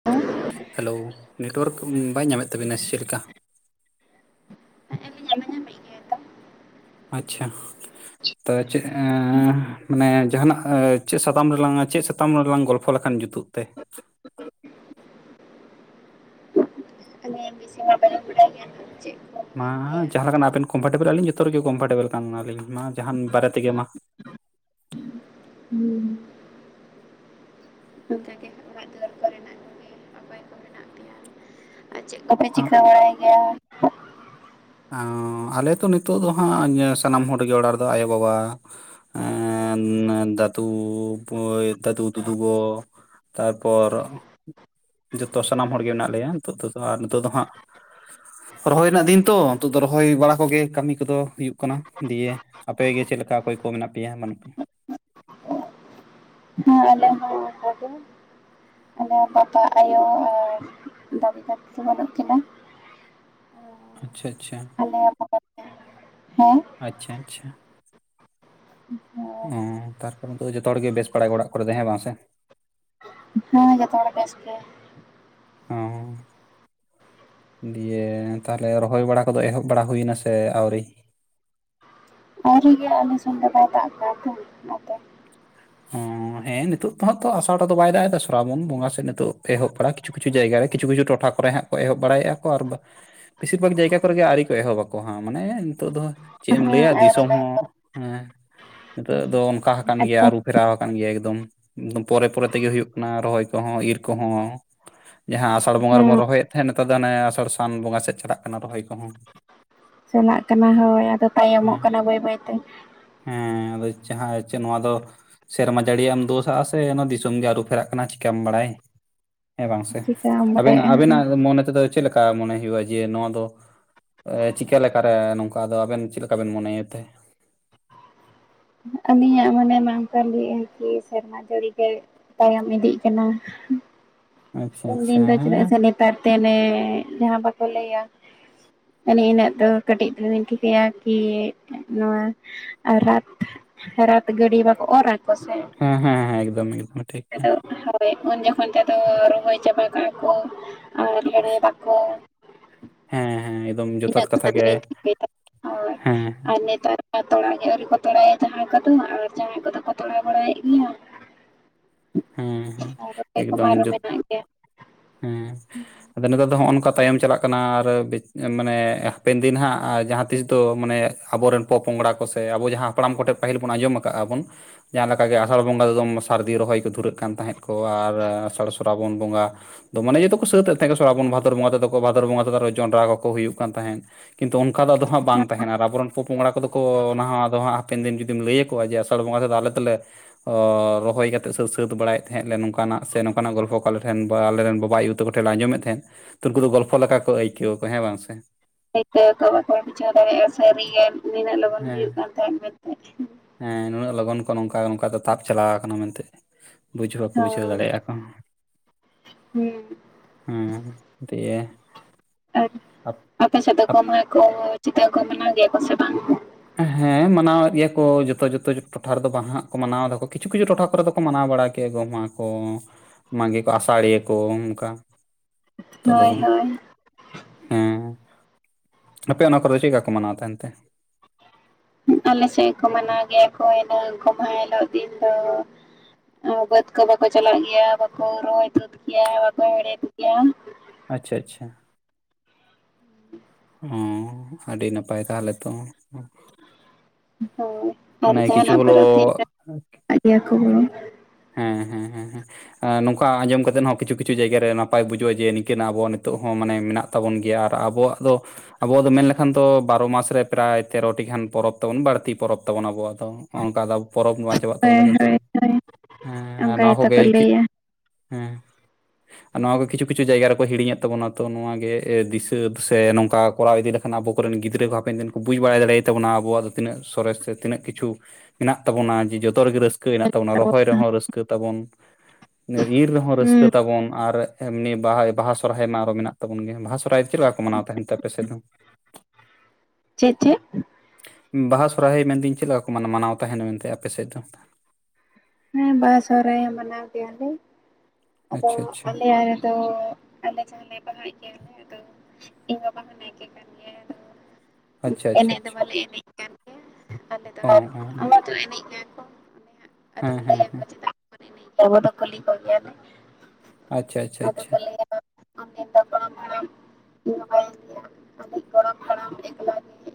[unintelligible] Hello network ᱵᱟᱭ ᱧᱟᱢᱮᱫ ᱛᱟᱵᱤᱱᱟ ᱥᱮ-ᱪᱮᱫ ᱞᱮᱠᱟ? ᱦᱮᱸ ᱟᱹᱞᱤᱧᱟᱜ ᱢᱟ ᱧᱟᱢᱮᱫ ᱜᱮᱭᱟᱭ ᱛᱚ᱾ ᱟᱪᱪᱷᱟ᱾ ᱛᱚ ᱪᱮᱫ ᱮᱸᱻ ᱢᱟᱱᱮ ᱡᱟᱦᱱᱟᱜ ᱪᱮᱫ ᱥᱟᱛᱟᱢ ᱨᱮᱞᱟᱝ ᱪᱮᱫ ᱥᱟᱛᱚᱢ ᱥᱟᱛᱟᱢ ᱨᱮᱞᱟᱝ ᱜᱚᱞᱯᱷᱚ ᱞᱮᱠᱷᱟᱱ ᱡᱩᱛᱩᱜ ᱛᱮ? ᱟᱞᱮ ᱵᱮᱥᱤ ᱦᱚᱸ ᱵᱟᱞᱮ ᱵᱟᱲᱟᱭ ᱜᱮᱭᱟ ᱛᱚ ᱪᱮᱫ ᱢᱟ ᱦᱟᱸᱜ ᱡᱟᱦᱟᱸ ᱞᱮᱠᱟᱱᱟᱜ ᱟᱵᱮᱱ ᱠᱚᱢᱯᱷᱚᱨᱴᱮᱵᱮᱞ ᱟᱹᱞᱤᱧ ᱡᱚᱛᱚ ᱨᱮᱜᱮ ᱠᱚᱢᱯᱷᱚᱨᱴᱮᱵᱮᱞ ᱠᱟᱱᱟᱞᱤᱧ ᱢᱟ ᱡᱟᱦᱟᱱ ᱵᱟᱨᱮ ᱛᱮᱜᱮ ᱢᱟ ᱦᱩᱸ ᱚᱱᱠᱟᱜᱮ ᱚᱲᱟᱜ ᱫᱩᱣᱟᱹᱨ ᱠᱚᱨᱮᱱᱟᱜ ᱠᱚᱜᱮ ᱚᱠᱚᱭ ᱠᱚ ᱢᱮᱱᱟᱜ ᱯᱮᱭᱟ ᱪᱮᱫ ᱠᱚᱯᱮ ᱟᱸ, ᱪᱤᱠᱟᱹ ᱵᱟᱲᱟᱭ ᱜᱮᱭᱟ? ᱟᱞᱮ ᱛᱚ ᱱᱤᱛᱚᱜ ᱫᱚ ᱦᱟᱸᱜ ᱥᱟᱱᱟᱢ ᱦᱚᱲᱜᱮ ᱚᱲᱟᱜ ᱨᱮᱫᱚ ᱟᱭᱳ-ᱵᱟᱵᱟ ᱮᱸᱻ ᱫᱟᱫᱩ [unintelligible] ᱫᱟᱫᱩ ᱫᱩᱫᱩ ᱜᱚ ᱛᱟᱨᱯᱚᱨ ᱡᱚᱛᱚ ᱥᱟᱱᱟᱢ ᱦᱚᱲᱜᱮ ᱢᱮᱱᱟᱜ ᱞᱮᱭᱟ ᱱᱤᱛᱚᱜ ᱛᱮᱫᱚ ᱦᱟᱸᱜ ᱟᱨ ᱱᱤᱛᱚᱜ ᱫᱚ ᱦᱟᱸᱜ ᱨᱚᱦᱚᱭ ᱨᱮᱱᱟᱜ ᱫᱤᱱ ᱛᱚ ᱱᱤᱛᱚᱜ ᱫᱚ ᱨᱚᱦᱚᱭ ᱵᱟᱲᱟ ᱠᱚᱜᱮ ᱠᱟᱹᱢᱤ ᱠᱚᱫᱚ ᱦᱩᱭᱩᱜ ᱠᱟᱱᱟ ᱫᱤᱭᱮ ᱟᱯᱮ ᱜᱮ ᱪᱮᱫ ᱞᱮᱠᱟ ᱚᱠᱚᱭ ᱠᱚ ᱢᱮᱱᱟᱜ ᱯᱮᱭᱟᱸ ᱵᱟᱹᱱᱩᱜ ᱯᱮᱭᱟᱸ? ᱟᱞᱮ ᱦᱚᱸ ᱫᱟᱫᱩ ᱟᱞᱮ ᱵᱟᱵᱟ ᱟᱭᱳ ᱟᱨ ᱫᱟᱵᱤ ᱫᱟ ᱵᱟᱹᱱᱩᱜ ᱠᱤᱱᱟ ᱟᱪᱪᱷᱟ ᱟᱪᱪᱷᱟ᱾ [unintelligible] ᱦᱮᱸ ᱟᱪᱪᱷᱟ ᱟᱪᱪᱷᱟ ᱚᱸ ᱛᱟᱨᱯᱚᱨᱮ ᱫᱚ ᱡᱚᱛᱚ ᱦᱚᱲ ᱜᱮ ᱵᱮᱥ ᱵᱟᱲᱟ ᱜᱮ ᱚᱲᱟᱜ ᱠᱚᱨᱮ ᱫᱚ ᱦᱮᱸ ᱵᱟᱝ ᱥᱮ ᱡᱚᱛᱚ ᱦᱚᱲ ᱵᱮᱥ ᱜᱮ ᱦᱚᱸ ᱫᱤᱭᱮ ᱛᱟᱦᱚᱞᱮ ᱨᱚᱦᱚᱭ ᱵᱟᱲᱟ ᱠᱚᱫᱚ ᱮᱦᱚᱵ ᱵᱟᱲᱟ ᱦᱩᱭᱱᱟ ᱥᱮ ᱟᱹᱣᱨᱤ? ᱟᱹᱣᱨᱤᱜᱮ ᱟᱞᱮ ᱥᱮᱱ ᱫᱚ ᱵᱟᱭ ᱫᱟᱜ ᱟᱠᱟᱫᱟ ᱛᱚ ᱚᱱᱟᱛᱮ᱾ ᱦᱚᱸ ᱦᱮᱸ ᱱᱤᱛᱳᱜ ᱫᱚᱦᱟᱸᱜ ᱛᱚ ᱟᱥᱟᱲ ᱨᱮ ᱫᱚ ᱵᱟᱭ ᱫᱟᱜ ᱮᱫᱟ ᱥᱨᱟᱵᱚᱱ ᱵᱚᱸᱜᱟ ᱥᱮᱫ ᱱᱤᱛᱚᱜ ᱮᱦᱚᱵ ᱵᱟᱲᱟ ᱠᱤᱪᱷᱩ ᱠᱤᱪᱷᱩ ᱡᱟᱭᱜᱟ ᱨᱮ ᱠᱤᱪᱷᱩ ᱠᱤᱪᱷᱩ ᱴᱚᱴᱷᱟ ᱠᱚᱨᱮ ᱦᱟᱸᱜ ᱮᱦᱚᱵ ᱵᱟᱲᱟᱭᱮᱫᱼᱟ ᱠᱚ ᱟᱨ ᱫᱚ ᱵᱮᱥᱤᱨ ᱵᱷᱟᱜᱽ ᱡᱟᱭᱜᱟ ᱠᱚᱨᱮᱜᱮ ᱟᱹᱣᱨᱤ ᱠᱚ ᱮᱦᱚᱵᱼᱟ ᱠᱚ ᱦᱟᱸᱜ ᱢᱟᱱᱮ ᱱᱤᱛᱚᱜ ᱫᱚ ᱪᱮᱫ ᱮᱢ ᱞᱟᱹᱭᱼᱟ ᱫᱤᱥᱚᱢ ᱦᱚᱸ ᱦᱮᱸ ᱱᱤᱛᱚᱜ ᱫᱚ ᱚᱱᱠᱟ ᱦᱟᱠᱟᱱ ᱜᱮᱭᱟ ᱟᱫᱚ ᱟᱨᱩᱯᱼᱼ ᱯᱷᱮᱨᱟᱣ ᱟᱠᱟᱱ ᱜᱮᱭᱟ ᱮᱠᱫᱚᱢ ᱯᱚᱨᱮ ᱯᱚᱨᱮ ᱛᱮᱜᱮ ᱦᱩᱭᱩᱜ ᱠᱟᱱᱟ ᱨᱚᱦᱚᱭ ᱠᱚ ᱦᱚᱸ ᱤᱨ ᱠᱚ ᱦᱚᱸ᱾ ᱡᱟᱦᱟᱸ ᱟᱥᱟᱲ ᱵᱚᱸᱜᱟ ᱨᱮᱵᱚᱱ ᱦᱮᱸ ᱨᱚᱦᱚᱭᱮᱫ ᱛᱮᱦᱮᱸᱫ ᱱᱮᱛᱟᱨ ᱫᱚ ᱚᱱᱮ ᱟᱥᱟᱲ ᱥᱟᱱ ᱵᱚᱸᱜᱟ ᱥᱮᱫ ᱪᱟᱞᱟᱜ ᱠᱟᱱᱟ ᱨᱚᱦᱚᱭ ᱠᱚ ᱦᱚᱸ᱾ ᱪᱟᱞᱟᱜ ᱠᱟᱱᱟ ᱦᱚᱭ ᱟᱫᱚ ᱛᱟᱭᱚᱢᱚᱜ ᱦᱮᱸ ᱠᱟᱱᱟ ᱵᱟᱹᱭ ᱵᱟᱹᱭ ᱛᱮ᱾ ᱦᱮᱸ ᱟᱫᱚ ᱡᱟᱦᱟᱸ ᱪᱮᱫ ᱱᱚᱣᱟ ᱫᱚ ᱥᱮᱨᱢᱟ ᱡᱟᱹᱲᱤᱭᱟᱜ ᱮᱢ ᱫᱳᱥ-ᱟᱜ ᱥᱮ ᱚᱱᱟ ᱫᱤᱥᱚᱢ ᱜᱮ ᱟᱹᱨᱩ ᱯᱷᱮᱨᱟᱜ ᱠᱟᱱᱟ ᱪᱤᱠᱟᱢ ᱵᱟᱲᱟᱭ? ᱦᱮᱸ ᱵᱟᱝ ᱥᱮ ᱪᱤᱠᱟᱢ ᱟᱵᱮᱱᱟᱜ ᱵᱟᱰᱟᱭᱮᱜᱼᱟ ᱟᱵᱮᱱᱟᱜ ᱢᱚᱱᱮ ᱛᱮᱫᱚ ᱪᱮᱫ ᱞᱮᱠᱟ ᱢᱚᱱᱮ ᱦᱩᱭᱩᱜᱼᱟ ᱡᱮ ᱱᱚᱣᱟ ᱫᱚ ᱮᱸ ᱪᱤᱠᱟᱹ ᱞᱮᱠᱟ ᱨᱮ ᱱᱚᱝᱠᱟ ᱟᱫᱚ ᱟᱵᱮᱱ ᱪᱮᱫ ᱞᱮᱠᱟ ᱵᱮᱱ ᱢᱚᱱᱮᱭᱮᱫ ᱛᱮ? ᱟᱞᱤᱧᱼᱟ ᱢᱚᱱᱮ ᱢᱟ ᱚᱱᱠᱟ ᱞᱟᱹᱭᱮᱫ ᱟᱨᱠᱤ ᱥᱮᱨᱢᱟ ᱡᱟᱲᱤ ᱜᱮ ᱛᱟᱭᱚᱢ ᱤᱫᱤᱜ ᱠᱟᱱᱟ᱾ ᱟᱪᱪᱷᱟ ᱩᱱ ᱟᱪᱪᱷᱟ ᱫᱤᱱ ᱫᱚ ᱦᱮᱸ ᱪᱮᱫᱟᱜ ᱥᱮ ᱱᱮᱛᱟᱨ ᱛᱮ ᱞᱮ ᱡᱟᱦᱟᱸ ᱵᱟᱠᱚ ᱞᱟᱹᱭᱼᱟ ᱮᱱᱮ ᱤᱱᱟᱹᱜ ᱫᱚ ᱠᱟᱹᱴᱤᱡ ᱫᱚᱧ ᱴᱷᱤᱠᱟᱹᱭᱟ ᱠᱤ ᱱᱚᱣᱟ ᱟᱨ ᱨᱟᱹᱛᱷ ᱨᱟᱹᱛᱷ ᱜᱟᱰᱤ ᱵᱟᱠᱚ ᱚᱨᱼᱟ? ᱞᱟᱥᱮᱜ ᱦᱮᱸ ᱦᱮᱸ ᱦᱮᱸ ᱮᱠᱫᱚᱢ ᱮᱠᱫᱚᱢ ᱴᱷᱤᱠ [unintelligible] ᱦᱳ ᱩᱱ ᱡᱚᱠᱷᱚᱱ ᱛᱮᱫᱚ ᱨᱚᱦᱚᱭ ᱪᱟᱵᱟ ᱠᱟᱣᱟ ᱠᱚ ᱟᱨ ᱦᱮᱲᱮ ᱵᱟᱠᱚ ᱦᱮᱸ ᱦᱮᱸ ᱮᱠᱫᱚᱢ᱾ ᱡᱚᱛᱷᱟᱛ ᱤᱱᱟᱹᱜ [inaudible] ᱠᱟᱛᱷᱟ ᱜᱮ ᱴᱷᱤᱠᱟᱹᱭ ᱫᱟ ᱦᱚᱸᱭ ᱦᱮᱸ ᱟᱨ ᱱᱮᱛᱟᱨᱼᱼ ᱛᱚᱲᱟᱭ ᱜᱮ ᱟᱹᱣᱨᱤ ᱠᱚ ᱛᱚᱲᱟᱭᱟ ᱡᱟᱦᱟᱸᱭ ᱠᱚ ᱫᱚ ᱟᱨ ᱡᱟᱦᱟᱸᱭ ᱠᱚ ᱫᱚ ᱠᱚ ᱛᱚᱲᱟᱣ ᱵᱟᱲᱟᱭᱮᱫ ᱜᱤᱭᱟ᱾ ᱦᱮᱸ ᱦᱮᱸ ᱨᱚᱦᱚᱭ ᱠᱚᱢᱟ ᱮᱠᱫᱚᱢ ᱟᱨᱚ ᱡᱚᱛᱼᱼ ᱢᱮᱱᱟᱜ ᱜᱮᱭᱟ ᱟᱫᱚ ᱱᱮᱛᱟᱨ ᱫᱚ ᱦᱚᱸᱜ-ᱚ ᱱᱚᱝᱠᱟ ᱛᱟᱭᱚᱢ ᱪᱟᱞᱟᱜ ᱠᱟᱱᱟ ᱟᱨ ᱵᱤᱡ ᱢᱟᱱᱮ ᱦᱟᱯᱮᱱ ᱫᱤᱱ ᱦᱟᱸᱜ ᱟ ᱡᱟᱦᱟᱸ ᱛᱤᱥ ᱫᱚ ᱢᱟᱱᱮᱼᱼ ᱟᱵᱚ ᱨᱮᱱ ᱯᱚᱼᱯᱚᱝᱜᱽᱲᱟ ᱠᱚ ᱥᱮ ᱟᱵᱚ ᱡᱟᱦᱟᱸ ᱦᱟᱯᱲᱟᱢ ᱠᱚᱴᱷᱮᱱ ᱯᱟᱹᱦᱤᱞ ᱵᱚᱱ ᱟᱸᱡᱚᱢ ᱟᱠᱟᱜ-ᱟ ᱵᱚᱱᱼᱼ ᱡᱟᱦᱟᱸ ᱞᱮᱠᱟ ᱜᱮ ᱟᱥᱟᱲ ᱵᱚᱸᱜᱟ ᱫᱚᱢ ᱥᱟᱨᱫᱤ ᱨᱚᱦᱚᱭᱼᱼ ᱫᱷᱩᱨᱟᱹᱜ ᱠᱟᱱ ᱛᱟᱦᱮᱸᱫ ᱠᱚ ᱟᱨ ᱟᱥᱟᱲ ᱥᱚᱨᱟᱵᱚᱱ ᱵᱚᱸᱜᱟᱼᱼ ᱫᱚ ᱢᱟᱱᱮ ᱡᱚᱛᱚ ᱠᱚ ᱥᱟᱹᱛᱮ ᱛᱟᱦᱮᱸᱜ ᱥᱚᱨᱟᱵᱚᱱ ᱵᱷᱟᱫᱚᱨ ᱵᱚᱸᱜᱟ ᱛᱮᱫᱚ ᱠᱚ ᱵᱷᱟᱫᱚᱨ ᱵᱚᱸᱜᱟ ᱛᱮᱫᱚ ᱟᱨᱚ ᱡᱚᱱᱰᱨᱟ ᱠᱚᱠᱚ ᱦᱩᱭᱩᱜ ᱠᱟᱱ ᱛᱟᱦᱮᱸᱫᱼᱼ ᱠᱤᱱᱛᱩ ᱚᱱᱠᱟ ᱫᱚ ᱟᱫᱚ ᱦᱟᱸᱜ ᱵᱟᱝ ᱛᱟᱦᱮᱱᱟ ᱟᱨ ᱟᱵᱚ ᱨᱮᱱ ᱯᱚᱼᱯᱚᱜᱽᱝᱲᱟ ᱠᱚᱫᱚ ᱠᱚ ᱚᱱᱟ ᱦᱚᱸ ᱟᱫᱚ ᱦᱟᱸᱜ ᱦᱟᱯᱮᱱ ᱫᱤᱱ ᱡᱩᱫᱤᱢ ᱞᱟᱹᱭ ᱭᱟᱠᱚᱣᱟ ᱡᱮᱼᱼ ᱟᱲ ᱵᱚᱸᱜᱟ ᱛᱮ ᱫᱚ ᱟᱞᱮ ᱛᱚᱞᱮ ᱚ ᱨᱚᱦᱚᱭ ᱠᱟᱼᱼ [unintelligible] ᱮ ᱥᱟᱹᱛ ᱥᱟᱹᱛ ᱵᱟᱲᱟᱭᱮᱫ ᱛᱮᱦᱮᱸᱜ ᱞᱮ ᱱᱚᱝᱠᱟ ᱱᱟᱜ ᱥᱮ ᱱᱚᱝᱠᱟ ᱱᱟᱜ ᱜᱚᱞᱯᱚ ᱠᱚ ᱟᱞᱮ ᱴᱮᱱ ᱵᱟ ᱟᱞᱮ ᱨᱮᱱ ᱜᱚ ᱵᱟᱵᱟ ᱟᱹᱭᱩ ᱛᱟᱠᱚ ᱴᱷᱮᱱ ᱞᱮ ᱟᱸᱡᱚᱢᱮᱫ ᱛᱮᱦᱮᱸᱫᱼᱼ ᱛᱚ ᱩᱱᱠᱩ ᱫᱚ ᱜᱚᱞᱯᱷᱚ ᱞᱮᱠᱟ ᱠᱚ ᱟᱹᱭᱠᱟᱹᱣᱟ ᱠᱚ ᱦᱮᱸ ᱵᱟᱝ ᱥᱮᱼᱼ ᱤᱛᱟᱹ ᱠᱚ ᱵᱟᱠᱚ ᱵᱩᱡᱷᱟᱹᱣ ᱫᱟᱲᱮᱭᱟᱜ-ᱟ [unintelligible] ᱥᱟᱹᱨᱤ ᱜᱮ ᱱᱤᱱᱟᱹᱜ ᱞᱚᱜᱚᱱ ᱦᱮᱸ ᱦᱩᱭᱩᱜ ᱠᱟᱱ ᱛᱟᱦᱮᱸᱫ ᱢᱮᱱᱛᱮ᱾ ᱦᱮᱸ ᱱᱩᱱᱟᱹᱜ ᱞᱚᱜᱚᱱ ᱠᱚ ᱱᱚᱝᱠᱟ ᱱᱚᱝᱠᱟ ᱛᱮ ᱛᱟᱯ ᱪᱟᱞᱟᱣ ᱠᱟᱱᱟ ᱢᱮᱱᱛᱮᱜ᱾ ᱵᱩᱡᱽ ᱦᱚᱸ ᱵᱟᱠᱚ ᱵᱩᱡᱷᱟᱹᱣ ᱫᱟᱲᱮᱭᱟᱜ-ᱟ ᱠᱚ, ᱦᱩᱸ ᱦᱚᱸ ᱛᱤᱭᱮ᱾ ᱟᱨ ᱟᱯᱮ ᱥᱮᱫ ᱫᱚ ᱠᱚ ᱟᱯ ᱢᱟᱜ ᱠᱚ ᱪᱤᱠᱟ ᱠᱚ ᱢᱟᱱᱟᱣ ᱜᱮᱭᱟ ᱠᱚ ᱥᱮ ᱵᱟᱝ? ᱦᱮᱸ ᱢᱟᱱᱟᱣᱮᱫ ᱜᱮᱭᱟ ᱠᱚ ᱡᱚᱛᱚ ᱡᱚᱛᱚ ᱡᱚ ᱴᱚᱴᱷᱟ ᱨᱮᱫᱚ ᱵᱟ ᱦᱟᱸᱜ ᱠᱚ ᱢᱟᱱᱟᱣ ᱫᱟ ᱠᱚ ᱠᱤᱪᱷᱩ ᱠᱤᱪᱷᱩ ᱴᱚᱴᱷᱟ ᱠᱚ ᱨᱮ ᱫᱚᱼᱼ ᱠᱚ ᱢᱟᱱᱟᱣ ᱵᱟᱲᱟ ᱠᱮᱜ-ᱟ ᱜᱚᱢᱦᱟ ᱠᱚ ᱢᱟᱜᱮ ᱠᱚ ᱟᱥᱟᱲᱤᱭᱟᱹ ᱠᱚ ᱚᱱᱠᱟ᱾ ᱛᱚᱜ ᱫᱚ ᱦᱳᱭ ᱵᱟᱝ᱾ ᱦᱳᱭ ᱦᱮᱸ [unintelligible] ᱟᱯᱮ ᱚᱱᱟ ᱠᱚᱨᱮ ᱫᱚ ᱪᱮᱜᱠᱟ ᱠᱚ ᱢᱟᱱᱟᱣ ᱛᱟᱦᱮᱱ ᱛᱮ? ᱦᱩᱸ ᱟᱞᱮ ᱥᱮᱜ ᱠᱚ ᱢᱟᱱᱟᱣ ᱜᱮᱭᱟ ᱠᱚ ᱤᱱᱟᱹ ᱜᱚᱢᱦᱟ ᱦᱮᱞᱳᱜ ᱫᱤᱱ ᱫᱚ᱾ ᱚ ᱵᱟᱹᱛ ᱠᱚ ᱫᱚ ᱠᱚ ᱪᱟᱞᱟᱜ ᱜᱮᱭᱟ ᱵᱟᱠᱚ ᱨᱚᱦᱚᱭ ᱛᱩᱫᱽ ᱜᱮᱭᱟ ᱵᱟᱠᱚ ᱦᱮᱲᱦᱮᱫᱽ ᱜᱮᱭᱟ᱾ ᱟᱪᱪᱷᱟ ᱟᱪᱷᱟ᱾ ᱚᱸ ᱟᱹᱰᱤ ᱱᱟᱯᱟᱭ ᱛᱟᱦᱚᱞᱮ ᱛᱚ᱾ ᱦᱚᱭ ᱟᱨ ᱢᱟᱱᱮ ᱡᱟᱦᱟᱸ ᱠᱤᱪᱷᱩ ᱱᱟᱜ ᱦᱚᱞᱳ ᱯᱚᱨᱚᱵᱽ ᱛᱤ [inaudible] ᱫᱮᱭᱟ ᱠᱚ᱾ ᱦᱮᱸ ᱦᱮᱸ ᱦᱮᱸ ᱦᱮᱸ᱾ ᱟᱸ ᱱᱚᱝᱠᱟ ᱟᱸᱡᱚᱢ ᱠᱟᱛᱮᱜ ᱦᱚᱸ ᱠᱤᱪᱷᱩ ᱠᱤᱪᱷᱩ ᱡᱟᱭᱜᱟ ᱨᱮ ᱱᱟᱯᱟᱭ ᱵᱩᱡᱩᱜ-ᱟ ᱡᱮ ᱱᱤᱝᱠᱟᱹ ᱱᱟᱜ ᱟᱵᱚ ᱱᱤᱛᱚᱜ ᱦᱚᱸ ᱢᱟᱱᱮ‌ ᱢᱮᱱᱟᱜᱼᱼ ᱛᱟᱵᱚᱱ ᱜᱮᱭᱟ ᱟᱨ ᱟᱵᱚᱣᱟᱜ ᱫᱚᱼᱼ ᱟᱵᱚ ᱫᱚ ᱢᱮᱱ ᱞᱮᱠᱷᱟᱱ ᱫᱚ ᱵᱟᱨᱚ ᱢᱟᱥ ᱨᱮ ᱯᱨᱟᱭ ᱛᱮᱨᱚ ᱴᱤ ‌ᱜᱟᱱ ᱯᱚᱨᱚᱵᱽ ᱛᱟᱵᱚᱱ ᱵᱟᱲᱛᱤ ᱯᱚᱨᱚᱵᱽ᱾ ᱛᱟᱵᱚᱱ ᱟᱵᱚᱣᱟᱜ ᱫᱚ ᱚᱝᱠᱟ ᱛᱟᱵᱽ ᱯᱚᱨᱚᱵᱽ ᱵᱟᱧᱪᱼᱼ ᱪᱟᱵᱟᱜ ᱛᱟᱵᱚᱱᱟ ᱦᱳᱭ ᱠᱤᱱᱛᱩ, ᱦᱳᱭ ᱦᱳᱭ ᱦᱮᱸ ᱟᱨ ᱚᱱᱠᱟ ᱱᱚᱣᱟ ᱠᱚ ᱜᱮᱛᱚ ᱜᱮ ᱮᱼᱼᱠᱤ ᱞᱟᱹᱭᱟ ᱱᱚᱣᱟ ᱜᱮ ᱠᱤᱪᱷᱩ ᱠᱤᱪᱷᱩ ᱡᱟᱭᱜᱟ ᱨᱮᱠᱚ ᱦᱤᱲᱤᱧᱮᱫ ᱛᱟᱵᱚᱱᱟ ᱛᱚ ᱱᱚᱣᱟ ᱜᱮ ᱮ ᱫᱤᱥᱟᱹ ᱵᱚ ᱥᱮ ᱱᱚᱝᱠᱟ ᱠᱚᱨᱟᱣ ᱤᱫᱤ ᱞᱮᱼᱼ ᱱᱟ ᱟᱵᱚ ᱨᱮᱱ ᱜᱤᱫᱽᱨᱟᱹ ᱠᱚ ᱦᱟᱯᱮᱱ ᱵᱩᱡᱽ ᱵᱟᱲᱟᱭ ᱫᱟᱲᱮᱭᱟ ᱛᱟᱵᱚᱱᱟ ᱟᱵᱚᱣᱟᱜ ᱫᱚ ᱛᱤᱱᱟᱹᱜ ᱥᱚᱨᱮᱥ ᱥᱮᱼᱼ ᱛᱤᱱᱟᱹᱜ ᱠᱤᱪᱷᱩ ᱢᱮᱱᱟᱜ ᱛᱟᱵᱚᱱᱟ ᱡᱮ ᱡᱚᱛᱚ ᱨᱮᱜᱮ ᱨᱟᱹᱥᱠᱟᱹ ᱦᱮ ᱛᱟᱵᱚᱱᱟ ᱨᱚᱦᱚᱭ ᱨᱮᱦᱚᱸ ᱨᱟᱹᱥᱠᱟᱹ ᱛᱟᱵᱚᱱ ᱤᱨ ᱨᱮᱦᱚᱸ ᱨᱟᱹᱥᱠᱟᱹ ᱦᱩᱸ ᱛᱟᱵᱚᱱ ᱟᱨ ᱮᱢᱱᱤ ᱵᱟᱦᱟ ᱵᱟᱦᱟ ᱥᱚᱨᱦᱟᱭ ᱢᱟ ᱟᱨᱚ ᱢᱮᱱᱟᱜ ᱛᱟᱵᱚᱱ ᱜᱮᱭᱟ ᱵᱟᱦᱟ ᱥᱚᱨᱚᱦᱚᱨᱟᱭ ᱨᱮ ᱪᱮᱫ ᱞᱮᱠᱟ ᱠᱚ ᱢᱟᱱᱟᱣ ᱛᱟᱦᱮᱱ ᱛᱮ ᱟᱯᱮ ᱥᱮᱫ ᱫᱚ [unintelligible] ᱪᱮᱫ ᱪᱮᱫ ᱵᱟᱦᱟ ᱥᱚᱦᱚᱨᱟᱭ ᱢᱮᱱ ᱫᱟᱹᱧ ᱪᱮᱫ ᱞᱮᱠᱟ ᱠᱚ ᱢᱟᱱᱟ ᱢᱟᱱᱟᱣ ᱛᱟᱦᱮᱱᱟ ᱢᱮᱱᱛᱮ ᱟᱯᱮ ᱥᱮᱫ ᱫᱚ? ᱦᱮᱸ ᱵᱟᱦᱟ ᱥᱚᱦᱨᱟᱭ ᱢᱟᱱᱟᱣ ᱜᱮᱭᱟ ᱞᱮ ᱟᱫᱚ ᱟᱪᱪᱷᱟ ᱟᱪᱪᱷᱟ ᱟᱞᱮᱭᱟᱜ ᱨᱮᱫᱚᱼᱼ ᱟᱞᱮ ᱡᱟᱦᱟᱸ ᱞᱮ ᱵᱟᱦᱟ ᱜᱮᱭᱟ ᱞᱮ ᱟᱫᱚ ᱤᱧ ᱵᱟᱵᱟ ᱦᱚᱸ ᱱᱟᱭᱠᱮ ᱠᱟᱱ ᱜᱮᱭᱟ ᱟᱫᱚᱼᱼ ᱩᱸ ᱟᱪᱪᱷᱟ ᱟᱪᱪᱷᱟ ᱮᱱᱮᱡ ᱫᱚ ᱟᱪᱪᱷᱟ ᱵᱟᱞᱮ ᱮᱱᱮᱡ ᱠᱟᱱ ᱜᱮᱭᱟ ᱟᱞᱮ ᱫᱚ ᱚ ᱚ ᱚᱱᱟ ᱫᱚ ᱮᱱᱮᱡ ᱜᱮᱭᱟ ᱠᱚ᱾ ᱟᱫᱚ ᱦᱮᱸ ᱦᱮᱸ ᱞᱟᱹᱭᱟᱠᱚ ᱦᱮᱸ᱾ ᱪᱮᱫᱟᱜ ᱵᱟᱵᱚᱱ ᱮᱱᱮᱡ ᱟᱵᱚ ᱫᱚ ᱠᱩᱞᱤ ᱠᱚ ᱜᱮᱭᱟ ᱞᱮ᱾ ᱟᱪᱪᱷᱟ ᱟᱪᱷᱟ ᱟᱫᱚ ᱟᱪᱷᱟ᱾ ᱩᱱᱫᱤᱱ ᱫᱚ ᱜᱚᱲᱚᱢ ᱦᱟᱲᱟᱢ ᱢᱳᱵᱟᱭᱤᱞ ᱨᱮᱭᱟᱜ ᱟᱹᱰᱤ ᱜᱚᱲᱚᱢ ᱦᱟᱲᱟᱢ ᱮᱠᱞᱟ ᱜᱮ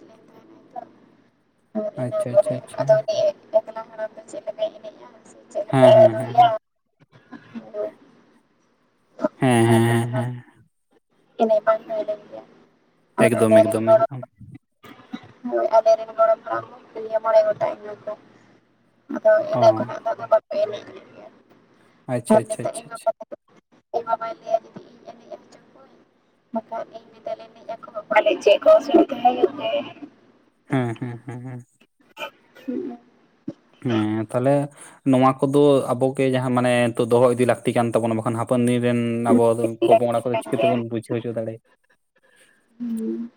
ᱦᱮᱡ ᱞᱮᱱ ᱛᱟᱦᱮᱱᱟᱭ ᱛᱚ ᱟᱨ ᱤᱱᱟᱹ ᱟᱪᱪᱷᱟ ᱯᱚᱨᱮ ᱟᱪᱷᱟ ᱟᱪᱷᱟ᱾ ᱟᱫᱚ ᱩᱱᱤ ᱮᱠᱞᱟ ᱦᱟᱲᱟᱢ ᱫᱚ ᱪᱮᱫ ᱞᱮᱠᱟᱭ ᱮᱱᱮᱡ-ᱟ ᱥᱮ ᱪᱮᱜ? ᱦᱮᱸ ᱦᱮᱸ ᱦᱮᱸ ᱦᱮ᱾ ᱦᱚᱸ ᱛᱚ ᱦᱚᱱᱟᱨ ᱤᱱᱟᱹ [inaudible] ᱦᱩᱭ ᱞᱮᱱ ᱜᱮᱭᱟ᱾ ᱟᱨ ᱮᱠᱫᱚᱢ ᱟᱞᱮ ‌ᱨᱮᱱ ᱮᱠᱫᱚᱢ ᱜᱚᱲᱚᱢ [inaudible] ᱮᱠᱫᱚᱢ [inaudible] ᱟᱫᱚ ᱚ ᱤᱱᱟᱹ ᱠᱷᱚᱱᱟᱜ ᱫᱚᱫᱚ ᱵᱟᱠᱚ ᱮᱱᱮᱡᱭᱟ ᱟᱪᱪᱷᱟ ᱟᱪᱪᱷᱟ ᱟᱪᱪᱷᱟ [unintelligible] ᱦᱮᱸ ᱦᱮᱸ ᱦᱮᱸ ᱦᱮᱸ [inaudible] ᱦᱮᱸ ᱛᱟᱦᱚᱞᱮ ᱱᱚᱣᱟ ᱠᱚᱫᱚ ᱟᱵᱚᱜᱮ ᱡᱟᱦᱟᱸ ᱢᱟᱱᱮ ᱱᱤᱛᱚᱜ ᱫᱚᱦᱚ ᱤᱫᱤ ᱞᱟᱹᱠᱛᱤ ᱠᱟᱱ ᱛᱟᱵᱚᱱᱟ ᱵᱟᱠᱷᱟᱱ ᱦᱟᱯᱮᱱ ᱫᱤᱱ ᱨᱮᱱ ᱟᱵᱚ ᱫᱚ ᱞᱟᱹᱠᱛᱤ ᱯᱚᱯᱚᱝᱲᱟ ᱠᱚᱫᱚ ᱠᱟᱱ ᱪᱤᱠᱟᱹ ᱜᱮᱭᱟ ᱛᱮᱵᱚᱱ ᱵᱩᱡᱷᱟᱹᱣ ᱦᱚᱪᱚ ᱫᱟᱲᱮᱭᱟᱜᱼᱟ ᱦᱩᱸ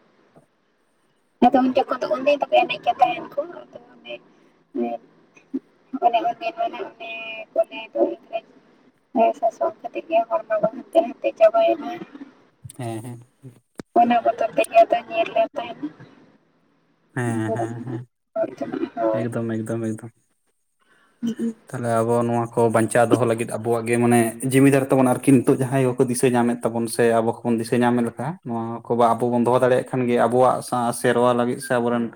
[inaudible] [inaudible] [inaudible] ᱦᱮᱸ ᱦᱮᱸ ᱚᱱᱟ ᱵᱚᱫᱚᱞ ᱛᱮᱜᱮ ᱫᱚ ᱧᱮᱞ ᱞᱮ ᱛᱟᱦᱮᱱᱟ ᱦᱮᱸ ᱦᱮᱸ ᱦᱮᱸ [inaudible] ᱮᱠᱫᱚᱢ ᱮᱠᱫᱚᱢ ᱦᱩᱸ ᱛᱟᱦᱚᱞᱮ ᱟᱵᱚ ᱱᱚᱣᱟ ᱠᱚ ᱵᱟᱧᱪᱟᱣ ᱫᱚᱦᱚ ᱞᱟᱹᱜᱤᱫ ᱟᱵᱚᱣᱟᱜ ᱜᱮ ᱢᱟᱱᱮ ᱡᱤᱢᱤᱫᱟᱨ ᱛᱟᱵᱚᱱᱟ ᱟᱨᱠᱤ ᱱᱤᱛᱚᱜ ᱡᱟᱦᱟᱸᱭ ᱠᱚᱠᱚ ᱫᱤᱥᱟᱹ ᱧᱟᱢᱮᱫ ᱛᱟᱵᱚ ᱥᱮ ᱟᱵᱚ ᱠᱚᱵᱚᱱ ᱫᱤᱥᱟᱹ ᱧᱟᱢᱮᱫ ᱞᱮᱠᱟ ᱱᱚᱣᱟ ᱠᱚ ᱟᱵᱚ ᱵᱚᱱ ᱫᱚᱦᱚ ᱫᱟᱲᱮᱭᱟᱜ ᱠᱷᱟᱱ ᱜᱮ ᱟᱵᱚᱣᱟᱜ ᱥᱮᱨᱣᱟ ᱞᱟᱹᱜᱤᱫ ᱥᱮ ᱟᱵᱚᱨᱮᱱ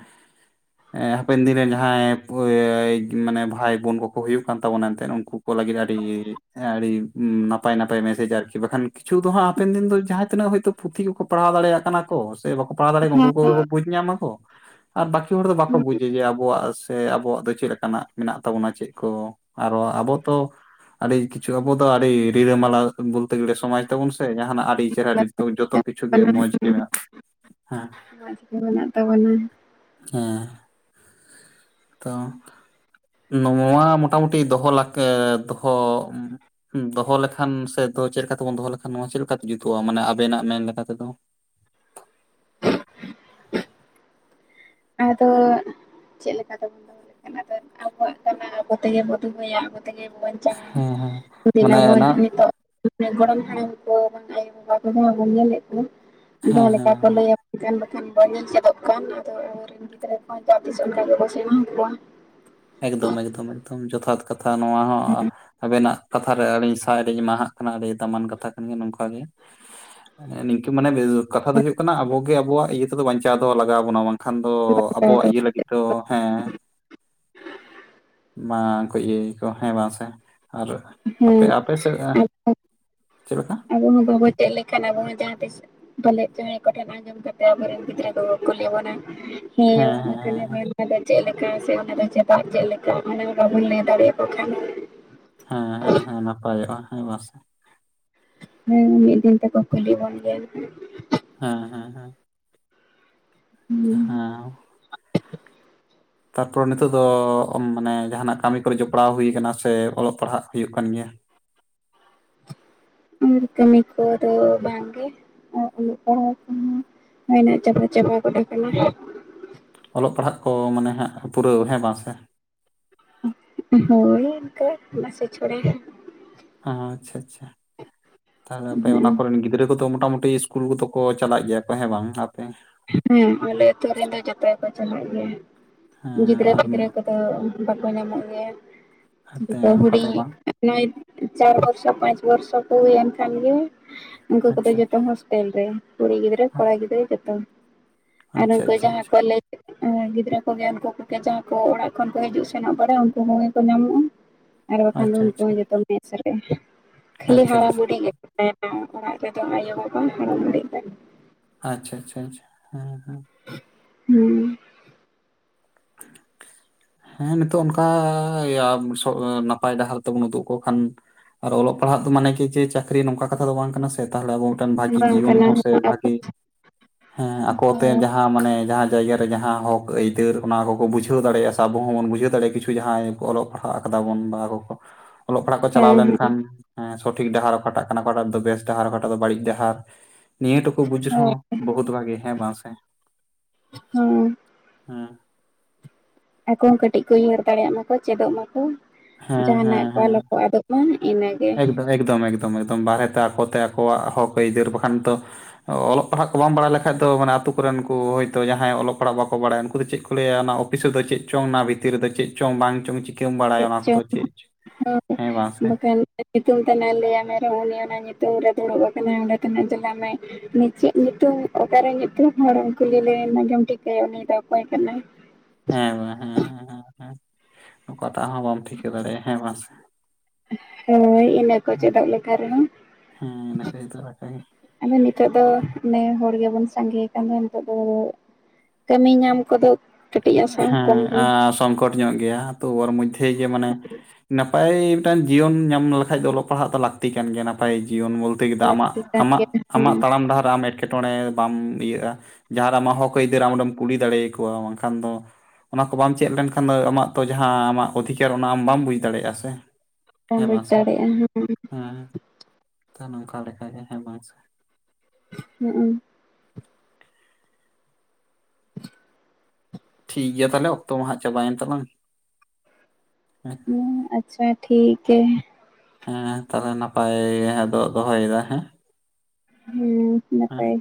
ᱦᱟᱯᱮᱱ ᱫᱤᱱ ᱨᱮᱱ ᱡᱟᱦᱟᱸᱭ ᱢᱟᱱᱮ ᱵᱷᱟᱭ ᱵᱳᱱ ᱠᱚᱠᱚ ᱦᱩᱭᱩᱜ ᱠᱟᱱ ᱛᱟᱵᱚᱱᱟ ᱮᱱᱛᱮᱜ ᱩᱱᱠᱩ ᱠᱚ ᱞᱟᱹᱜᱤᱫ ᱟᱹᱰᱤ ᱟᱹᱰᱤ ᱱᱟᱯᱟᱭ ᱱᱟᱯᱟᱭ ᱢᱮᱥᱮᱡᱽ ᱟᱨᱠᱤ ᱵᱟᱠᱷᱟᱱ ᱠᱤᱪᱷᱩ ᱫᱚ ᱦᱟᱸᱜ ᱦᱟᱯᱮᱱ ᱫᱤᱱ ᱫᱚ ᱡᱟᱦᱟᱸ ᱛᱤᱱᱟᱹᱜ ᱦᱚᱭᱛᱳ ᱯᱩᱛᱷᱤ ᱠᱚᱠᱚ ᱯᱟᱲᱦᱟᱣ ᱫᱟᱲᱮᱭᱟᱜ ᱠᱟᱱᱟ ᱠᱚ ᱥᱮ ᱵᱟᱠᱚ ᱯᱟᱲᱦᱟᱣ ᱫᱟᱲᱮᱭᱟᱜᱼᱟ ᱩᱱᱠᱩ ᱠᱚᱜᱮ ᱠᱚ ᱵᱩᱡᱽ ᱧᱟᱢᱟ ᱠᱚ ᱟᱨ ᱵᱟᱹᱠᱤ ᱦᱚᱲ ᱫᱚ ᱵᱟᱠᱚ ᱵᱩᱡᱟ ᱡᱮ ᱟᱵᱚᱣᱟᱜ ᱥᱮ ᱟᱵᱚᱣᱟᱜ ᱫᱚ ᱪᱮᱫ ᱞᱮᱠᱟᱱᱟᱜ ᱢᱮᱱᱟᱜ ᱛᱟᱵᱚᱱᱟ ᱪᱮᱫ ᱠᱚ ᱟᱨᱚ ᱟᱵᱚ ᱛᱚ ᱟᱹᱰᱤ ᱠᱤᱪᱷᱩ ᱟᱵᱚ ᱫᱚ ᱟᱹᱰᱤ ᱨᱤᱨᱤᱞᱟᱹᱢᱟᱞᱟ ᱵᱚᱞᱛᱮ ᱜᱮᱞᱮ ᱥᱚᱢᱟᱡᱽ ᱛᱟᱵᱚᱱ ᱥᱮ ᱡᱟᱦᱟᱱᱟᱜ ᱟᱹᱰᱤ ᱪᱮᱦᱨᱟ ᱛᱚ ᱡᱚᱛᱚ ᱠᱤᱪᱷᱩ ᱜᱮ ᱨᱮ ᱢᱚᱸᱡᱽ ᱜᱮ ᱢᱮᱱᱟᱜ ᱦᱮᱸ [unintelligible] ᱢᱮᱱᱟᱜ ᱛᱟᱵᱚᱱᱟ ᱦᱮᱸ ᱛᱚ ᱱᱚᱣᱟ ᱢᱚᱴᱟᱢᱩᱴᱤ ᱫᱚᱦᱚ ᱞᱟᱠ ᱫᱚᱦᱚ ᱦᱸ ᱫᱚᱦᱚ ᱞᱮᱠᱷᱟᱱ ᱥᱮ ᱪᱮᱫ ᱛᱮᱵᱚᱱ ᱫᱚᱦᱚ ᱞᱮᱠᱷᱟᱱ ᱱᱚᱣᱟ ᱪᱮᱫ ᱞᱮᱠᱟᱛᱮ ᱡᱩᱛᱩᱜᱼᱟ ᱢᱟᱱᱮ ᱟᱵᱮᱱᱟᱜ ᱢᱮᱱ ᱞᱮᱠᱟᱛᱮᱫᱚ ᱟᱫᱚ ᱪᱮᱫ ᱞᱮᱠᱟ ᱞᱮᱠᱟᱛᱮ ᱵᱚᱱ [inaudible] ᱟᱵᱚ ᱛᱮᱜᱮ ᱵᱚ ᱫᱚᱦᱚᱭᱟ ᱟᱵᱚᱛᱜᱮ ᱵᱚ ᱵᱟᱧᱪᱟᱣ-ᱟ ᱦᱮᱸ ᱦᱮᱸ ᱫᱤᱞᱟ ᱢᱟᱱᱮ ᱵᱚᱱ ᱚᱱᱟ ᱱᱤᱛᱚᱜ ᱜᱚᱲᱟᱱ ᱦᱟᱲᱟᱢ ᱠᱚ ᱟᱭᱳᱼᱵᱟᱵᱟ ᱠᱚ ᱡᱟᱦᱟᱸ ᱵᱚᱱ ᱧᱮᱞᱮᱫ ᱠᱚᱣᱟ ᱦᱮᱸ ᱡᱟᱦᱟᱸ ᱦᱮᱸ ᱞᱮᱠᱟ ᱦᱮᱸ ᱠᱚ ᱞᱟᱹᱭᱟ ᱮᱠᱷᱟᱱ ᱵᱟᱠᱷᱟᱱ ᱵᱟᱧ ᱧᱮᱞ ᱪᱮᱫᱚᱜ ᱠᱟᱱ ᱟᱫᱚ ᱟᱵᱚᱨᱮᱱ ᱜᱤᱫᱽᱨᱟᱹ ᱠᱚ ᱫᱤᱥᱚᱢ ᱨᱮᱜᱠᱚ ᱥᱮᱬᱟᱦᱟ ᱠᱚᱣᱟ ᱮᱠᱫᱚᱢᱠᱫᱚᱢ ᱡᱚᱛᱷᱟᱛ ᱠᱟᱛᱷᱟ ᱱᱚᱣᱟ ᱦᱚᱸ ᱟᱵᱮᱱᱟᱜ ᱠᱟᱛᱷᱟ ᱨᱮ ᱟᱹᱞᱤᱧ ᱥᱟᱭ ᱟᱹᱰᱤ ᱮᱢᱟᱦᱟᱜ ᱠᱟᱱᱟ ᱟᱹᱰᱤ ᱫᱟᱢᱟᱱ ᱠᱟᱛᱷᱟ ᱠᱟᱱ ᱜᱮᱭᱟ ᱱᱚᱝᱠᱟ ᱜᱮ ᱢᱟᱱᱮ ᱱᱤᱝᱠᱟᱹ ᱢᱟᱱᱮ ᱠᱟᱛᱷᱟ ᱫᱚ ᱦᱩᱭᱩᱜ ᱠᱟᱱᱟ ᱟᱵᱚᱜᱮ ᱟᱵᱚᱣᱟᱜ ᱤᱭᱟᱹ ᱛᱮᱫᱚ ᱵᱟᱧᱪᱟᱣ ᱫᱚᱦᱚ ᱞᱟᱜᱟᱣ ᱵᱚᱱᱟ ᱵᱟᱝ ᱠᱷᱟᱱ ᱫᱚ ᱟᱵᱚᱣᱟᱜ ᱤᱭᱟᱹ ᱞᱟᱹᱜᱤᱫ ᱫᱚ ᱦᱮᱸ ᱵᱟᱝᱠᱚ ᱤᱭᱟᱹᱠᱚ ᱦᱮᱸ ᱵᱟᱝ ᱥᱮ ᱟᱨ ᱟᱯᱮ ᱦᱮᱸ ᱟᱯᱮᱥᱮᱫ ᱟᱫᱚ ᱪᱮᱫ ᱞᱮᱠᱟ ᱟᱵᱚ ᱦᱚᱸ ᱵᱟᱵᱚ ᱪᱮᱫ ᱞᱮᱠᱷᱟᱱ ᱟᱵᱚ ᱦᱚᱸ ᱡᱟᱦᱟᱸ ᱛᱤᱥ ᱵᱟᱦᱚᱞᱮ ᱡ ᱠᱚᱴᱷᱟ ᱱᱟᱸᱡᱚᱢ ᱠᱟ ᱠᱟᱛᱮ ᱟᱵᱚᱨ [unintelligible] ᱜᱤᱫᱽᱨᱟᱹ ᱠᱚ ᱠᱚᱞᱤ ᱟᱵᱚᱱᱟ ᱦᱮᱸ ᱢᱟᱱᱮ ᱚᱱᱟ ᱫᱚ ᱪᱮᱫ ᱞᱮᱠᱟ ᱥᱮ ᱚᱱᱟ ᱫᱚ ᱪᱮᱫᱟᱜ ᱪᱮᱫ ᱞᱮᱠᱟ ᱢᱟᱱ ᱵᱟᱵᱚᱱ ᱞᱟᱹᱭ ᱫᱟᱲᱮᱭᱟᱠᱚ ᱠᱷᱟᱱ ᱦᱮᱸ ᱦᱮᱸ ᱦᱮᱸ ᱱᱟᱯᱟᱭᱚᱜᱼᱟ ᱦᱮᱸ ᱵᱟ ᱥᱮ ᱦᱮᱸ ᱢᱤᱫ ᱫᱤᱱ ᱫᱮᱠᱚ ᱠᱩᱞᱤ ᱵᱚᱱ ᱜᱮᱭᱟ ᱱᱟᱦᱟᱜ ᱦᱮᱸ ᱦᱮᱸ ᱦᱮᱸ ᱦᱩᱸ ᱦᱮᱸ ᱛᱟᱨᱯᱚᱨᱮ ᱱᱤᱛᱚᱜ ᱫᱚ ᱢᱟᱱᱮ ᱡᱟᱦᱟᱱᱟᱜ ᱠᱟᱹᱢᱤ ᱠᱚᱨᱮ ᱡᱚᱯᱲᱟᱣ ᱦᱩᱭᱩ ᱠᱟᱱᱟ ᱥᱮ ᱚᱞᱚᱜ ᱯᱟᱲᱦᱟᱜ ᱦᱩᱭᱩᱜ ᱠᱟᱱ ᱜᱮᱭᱟ ᱠᱟᱹᱢᱤ ᱠᱚ ᱟᱫᱚ ᱵᱟᱝ ᱜᱮ ᱟᱨ ᱚᱞᱚᱜ ᱯᱟᱲᱦᱟᱣ ᱠᱚᱦᱚᱸ ᱦᱩᱭ ᱪᱟᱵᱟ ᱪᱟᱵᱟ ᱜᱚᱫ ᱠᱟᱱᱟ ᱚᱞᱚᱜ ᱯᱟᱲᱦᱟᱜ ᱠᱚ ᱢᱟᱱᱮ ᱦᱟᱸᱜ ᱯᱩᱨᱟᱹᱣ ᱦᱮᱸ ᱵᱟᱝ ᱥᱮ ᱦᱳᱭ ᱮᱱᱛᱮ ᱱᱟᱥᱮ ᱪᱚᱲᱮ ᱦᱮᱸ ᱟᱪᱪᱷᱟ ᱟᱪᱪᱷᱟ ᱛᱟᱨᱯᱚᱨᱮ ᱚᱱᱟ ᱠᱚᱨᱮᱱ ᱜᱤᱫᱽᱨᱟᱹ ᱠᱚᱫᱚ ᱢᱚᱴᱟᱢᱩᱴᱤ ᱥᱞᱩᱞ ᱠᱚᱫᱚ ᱠᱚ ᱪᱟᱞᱟᱜ ᱜᱮᱭᱟ ᱠᱚ ᱦᱮᱸ ᱵᱟᱝ ᱟᱯᱮ ᱦᱮᱸ ᱟᱞᱮ ᱟᱹᱛᱩ ᱨᱮᱱ ᱫᱚ ᱡᱚᱛᱚ ᱜᱮᱠᱚ ᱪᱟᱞᱟᱜ ᱜᱮᱭᱟ ᱦᱮᱸ ᱜᱤᱫᱽᱨᱟᱹ ᱟᱨ ᱯᱤᱫᱽᱨᱟᱹ ᱠᱚ ᱛᱚ ᱵᱟᱠᱚ ᱧᱟᱢᱚᱜ ᱜᱮᱭᱟ ᱦᱟᱱᱛᱮ ᱡᱚᱛᱚ ᱚᱱᱠᱟ ᱫᱚ ᱦᱩᱹᱰᱤᱧ ᱵᱟᱝ ᱱᱚᱭ ᱪᱟᱨ ᱵᱚᱨᱥᱚ ᱯᱟᱸᱪ ᱵᱚᱨᱥᱚ ᱠᱚ ᱦᱩᱭᱮᱱ ᱠᱷᱟᱱ ᱜᱮ ᱩᱱᱠᱩ ᱠᱚᱫᱚ ᱟᱪᱪᱷᱟ ᱡᱚᱛᱚ ᱦᱳᱥᱴᱮᱞ ᱨᱮ ᱠᱩᱲᱤ ᱜᱤᱫᱽᱨᱟᱹ ᱠᱚᱲᱟ ᱜᱤᱫᱽᱨᱟᱹ ᱡᱚᱛᱚ ᱟᱨ ᱟᱪᱪᱷᱟ ᱩᱱᱠᱩ ᱟᱪᱪᱷᱟ ᱡᱟᱦᱟᱸ ᱟᱪᱪᱷᱟ ᱠᱚ ᱞᱟᱭᱠᱮᱜ ᱟᱨ ᱜᱤᱫᱽᱨᱟᱹ ᱠᱚᱜᱮ ᱩᱱᱠᱩ ᱠᱚᱜᱮ ᱡᱟᱦᱟᱸᱭ ᱠᱚ ᱚᱲᱟᱜ ᱠᱷᱚᱱ ᱠᱚ ᱦᱤᱡᱩᱜ ᱥᱮᱱᱚᱜ ᱵᱟᱲᱟᱭ ᱩᱱᱠᱩ ᱠᱚᱜᱮ ᱠᱚ ᱧᱟᱢᱚᱜᱼᱟ ᱟᱨ ᱵᱟᱠᱷᱟᱱ ᱫᱚ ᱟᱪᱪᱷᱟ ᱩᱱᱠᱩ ᱟᱪᱪᱷᱟ ᱦᱚᱸ ᱡᱚᱛᱚ ᱢᱮᱥ ᱠᱷᱟᱹᱞᱤ ᱟᱪᱪᱷᱟ ᱦᱟᱨᱟ ᱵᱩᱰᱦᱤ ᱜᱮ ᱚᱲᱟᱜ ᱨᱮᱫᱚ [unintelligible] ᱟᱭᱳᱼᱵᱟᱵᱟ ᱦᱟᱲᱟᱢ ᱵᱩᱰᱦᱤ ᱠᱚ ᱟᱪᱪᱷᱟ ᱟᱪᱪᱷᱟ ᱟᱪᱪᱷᱟ ᱦᱮᱸ ᱦᱮᱸ ᱦᱩᱸ ᱦᱮᱸ ᱱᱤᱛᱚᱜ ᱚᱱᱠᱟ ᱱᱟᱯᱟᱭ ᱰᱟᱦᱟᱨ ᱛᱮᱵᱚᱱ ᱩᱫᱩᱜᱽ ᱟᱠᱚ ᱠᱷᱟᱱ ᱟᱨ ᱚᱞᱚᱜ ᱯᱟᱲᱦᱟᱜ ᱫᱚ ᱢᱟᱱᱮ ᱠᱮ ᱡᱮ ᱪᱟᱹᱠᱨᱤ ᱱᱚᱝᱠᱟ ᱠᱟᱛᱷᱟ ᱫᱚ ᱵᱟᱝ ᱠᱟᱱᱟ ᱥᱮ ᱛᱟᱦᱚᱞᱮ ᱟᱵᱚᱴᱮᱱ ᱵᱷᱟᱹᱜᱤ ᱵᱟᱝ ᱡᱤᱣᱚᱱ ᱠᱟᱱᱟ ᱥᱮ ᱟᱵᱚ ᱵᱷᱟᱹᱜᱤ ᱦᱮᱸ ᱟᱠᱚ ᱡᱚᱛᱚ ᱡᱟᱦᱟᱸ ᱢᱟᱱᱮ ᱡᱟᱦᱟᱸ ᱡᱟᱭᱜᱟ ᱨᱮ ᱡᱟᱦᱟᱸ ᱦᱚᱸᱠ ᱟᱹᱭᱫᱟᱹᱨ ᱚᱱᱟ ᱠᱚᱠᱚ ᱵᱩᱡᱷᱟᱹᱣ ᱫᱟᱲᱮᱭᱟᱜᱼᱟ ᱟᱵᱚ ᱦᱚᱸ ᱵᱚᱱ ᱵᱩᱡᱷᱟᱹᱣ ᱫᱟᱲᱮᱭᱟᱜᱼᱟ ᱠᱤᱪᱷᱩ ᱡᱟᱦᱟᱸᱭ ᱠᱚ ᱚᱞᱚᱜ ᱯᱟᱲᱦᱟᱜ ᱟᱠᱟᱫᱟ ᱵᱚᱱ ᱵᱟᱦᱟ ᱠᱚ ᱠᱚ ᱚᱞᱚᱜ ᱯᱟᱲᱦᱟᱜ ᱠᱚ ᱪᱟᱞᱟᱣ ᱦᱮᱸ ᱞᱮᱱᱠᱷᱟᱱ ᱦᱮᱸ ᱦᱮᱸ ᱥᱚᱴᱷᱤᱠ ᱰᱟᱦᱟᱨ ᱚᱠᱟᱴᱟᱜ ᱠᱟᱱᱟ ᱚᱠᱟᱴᱟᱜ ᱫᱚ ᱵᱮᱥ ᱰᱟᱦᱟᱨ ᱚᱠᱟᱴᱟᱜ ᱫᱚ ᱵᱟᱹᱲᱤᱡ ᱰᱟᱦᱟᱨ ᱱᱤᱭᱟᱹ ᱴᱩᱠᱩ ᱵᱩᱡ ᱨᱮᱦᱚᱸ ᱦᱳᱭ ᱵᱚᱦᱩᱛ ᱵᱷᱟᱜᱮ ᱦᱮᱸ ᱵᱟᱝ ᱥᱮ ᱦᱩᱸ ᱦᱮᱸ ᱟᱠᱚ ᱦᱚᱸ ᱠᱟᱹᱴᱤᱡ ᱠᱚ ᱩᱭᱦᱟᱹᱨ ᱫᱟᱲᱮᱭᱟᱜ ᱢᱟᱠᱚ ᱪᱮᱫᱚᱜ ᱢᱟᱠᱚ ᱦᱮᱸ ᱡᱟᱦᱟᱱᱟᱜ ᱦᱮᱸ ᱠᱚ ᱦᱮᱸ ᱟᱞᱚ ᱠᱚ ᱟᱫᱚᱜ ᱤᱱᱟᱜᱮ ᱮᱠᱫᱚᱢ ᱮᱠᱫᱚᱢ ᱮᱠᱫᱚᱢ ᱮᱠᱫᱚᱢ ᱵᱟᱨᱦᱮᱛᱮ ᱟᱠᱚᱛᱮ ᱟᱠᱚᱣᱟᱜ ᱦᱚᱸᱠ ᱟᱹᱭᱫᱟᱹᱨ ᱵᱟᱠᱷᱟᱱ ᱛᱚ ᱚᱞᱚᱜ ᱯᱟᱲᱦᱟᱜ ᱠᱚ ᱵᱟᱢ ᱵᱟᱲᱟᱭ ᱞᱮᱠᱷᱟᱡ ᱫᱚ ᱟᱛᱩ ᱠᱚᱨᱮᱱ ᱠᱚ ᱦᱳᱭᱛᱳ ᱡᱟᱦᱟᱸᱭ ᱚᱞᱚᱜ ᱯᱟᱲᱦᱟᱜ ᱵᱟᱠᱚ ᱵᱟᱰᱟᱭ ᱩᱱᱠᱩ ᱫᱚ ᱪᱮ ᱠᱚ ᱞᱟᱹᱭᱟ ᱚᱱᱟ ᱚᱯᱷᱤᱥ ᱨᱮᱫᱚ ᱪᱮᱫ ᱪᱚᱝ ᱚᱱᱟ ᱵᱷᱤᱛᱤᱨ ᱨᱮᱫᱚ ᱪᱮᱫ ᱪᱚᱝ ᱵᱟᱝ ᱪᱚᱝ ᱪᱤᱠᱟᱹᱢ ᱵᱟᱲᱟᱭᱟ ᱪᱮᱫ ᱚᱱᱟ ᱠᱚᱫᱚ ᱪᱚᱝ ᱪᱮᱫ ᱪᱚ ᱦᱚᱸ ᱦᱮᱸ ᱵᱟᱝ ᱥᱮ ᱵᱟᱠᱷᱟᱱ ᱧᱩᱛᱩᱢ ᱛᱮᱱᱟᱜ ᱞᱟᱹᱭ-ᱟᱜ ᱢᱮ ᱨᱮᱦᱚᱸ᱾ ᱩᱱᱤ ᱚᱱᱟ ᱧᱩᱛᱩᱢ ᱨᱮ ᱫᱩᱲᱩᱵ ᱟᱠᱟᱱᱟᱭ ᱚᱸᱰᱮ ᱛᱮᱱᱟᱜ ᱪᱟᱞᱟᱟᱜ ᱢᱮ᱾ ᱪᱮᱫ ᱧᱩᱛᱩᱢ, ᱚᱠᱟᱨᱮ ᱧᱩᱛᱩᱢ ᱦᱚᱲ ᱠᱩᱞᱤ ᱞᱮᱢ ᱨᱮ ᱟᱸᱡᱚᱢ ᱴᱷᱤᱠᱟᱹᱭᱟ᱾ ᱩᱱᱤ ᱫᱚ ᱚᱠᱚᱭ ᱠᱟᱱᱟᱭ? ᱦᱮᱸ ᱵᱟᱝ ᱦᱮᱸ ᱦᱮᱸ ᱚᱠᱟᱴᱟᱜ ᱦᱚᱸ ᱵᱟᱢ ᱴᱷᱤᱠᱟᱹ ᱫᱟᱲᱮᱭᱟᱜᱼᱟ ᱦᱮᱸ ᱵᱟᱝ ᱥᱮ? ᱦᱳᱭ ᱤᱱᱟᱹ ᱠᱚ ᱪᱮᱫᱟᱜ ᱞᱮᱠᱟ ᱨᱮᱦᱚᱸ ᱦᱮᱸ ᱤᱱᱟᱹ ᱠᱷᱟᱹᱛᱤᱨ ᱫᱚ ᱚᱱᱠᱟᱜᱮ ᱟᱫᱚ ᱱᱤᱛᱚᱜ ᱫᱚ ᱚᱱᱮ ᱦᱚᱲ ᱜᱮᱵᱚᱱ ᱥᱟᱸᱜᱮᱭ ᱠᱟᱱᱟᱱ ᱫᱚ ᱱᱤᱛᱚᱜ ᱫᱚ ᱠᱟᱹᱢᱤ ᱧᱟᱢ ᱠᱚᱫᱚ ᱠᱟᱹᱴᱤᱡ ᱟᱥᱟ ᱦᱚᱸ ᱠᱚᱢ ᱦᱮᱸ ᱜᱮ ᱥᱚᱝᱠᱚᱴ ᱧᱚᱜ ᱜᱮᱭᱟ ᱛᱚ ᱚᱨ ᱢᱚᱫᱽᱫᱷᱮ ᱜᱮ ᱢᱟᱱᱮ ᱱᱟᱯᱟᱭ ᱢᱤᱫᱴᱟᱝ ᱡᱤᱭᱚᱱ ᱧᱟᱢ ᱞᱮᱠᱷᱟᱱᱡ ᱫᱚ ᱚᱞᱚᱜ ᱯᱟᱲᱦᱟᱜ ᱫᱚ ᱞᱟᱹᱠᱛᱤ ᱠᱟᱱ ᱜᱮᱭᱟ ᱱᱟᱯᱟᱭ ᱡᱤᱭᱚᱱ ᱵᱚᱞᱛᱮ [inaudible] ᱠᱮᱫᱟ ᱟᱢᱟᱜ ᱞᱟᱹᱠᱛᱤ ᱠᱟᱱ ᱟᱢᱟᱜ ᱜᱮᱭᱟ ᱦᱮᱸ ᱟᱢᱟᱜ ᱛᱟᱲᱟᱢ ᱰᱟᱦᱟᱨ ᱟᱢ ᱮᱴᱠᱮᱴᱚᱬᱮ ᱵᱟᱢ ᱤᱭᱟᱹᱜᱼᱟ ᱡᱟᱦᱟᱸ ᱨᱮ ᱟᱢᱟᱜ ᱦᱚᱸᱠ ᱟᱭᱫᱟᱹᱨ ᱟᱢᱨᱮᱢ ᱠᱩᱞᱤ ᱫᱟᱲᱮᱭᱟᱠᱚᱣᱟ ᱵᱟᱝᱠᱷᱟᱱ ᱫᱚ ᱚᱱᱟ ᱠᱚ ᱵᱟᱢ ᱪᱮᱫ ᱞᱮᱱᱠᱷᱟᱱ ᱫᱚ ᱟᱢᱟᱜ ᱛᱚ ᱡᱟᱦᱟᱸ ᱟᱢᱟᱜ ᱚᱫᱷᱤᱠᱟᱨ ᱚᱱᱟ ᱟᱢ ᱵᱟᱢ ᱵᱩᱡᱽ ᱫᱟᱲᱮᱭᱟᱜᱼᱟ ᱥᱮ ᱵᱟᱢ ᱦᱮᱸ ᱵᱩᱡᱽ ᱵᱟᱝ ᱥᱮ ᱫᱟᱲᱮᱭᱟᱜᱼᱟ ᱦᱮᱸ ᱱᱟᱝᱠᱟ ᱞᱮᱠᱷᱟᱡ ᱦᱮᱸ ᱵᱟᱝ ᱥᱮ ᱦᱩᱸ ᱴᱷᱤᱠ ᱜᱮᱭᱟ ᱛᱟᱦᱚᱞᱮ, ᱚᱠᱛᱚ ᱢᱟ ᱦᱟᱸᱜ ᱪᱟᱵᱟᱭᱮᱱ ᱛᱟᱞᱟᱝ᱾ ᱦᱩᱸ, ᱟᱪᱪᱷᱟ ᱴᱷᱤᱠ ᱠᱮ᱾ ᱦᱮᱸ, ᱛᱟᱦᱮ ᱱᱟᱯᱟᱭ ᱜᱮ ᱟᱫ ᱫᱚᱦᱚᱭᱮᱫᱟ ᱦᱮᱸ᱾ ᱦᱮᱸ ᱦᱮᱸ ᱱᱟᱯᱟᱭ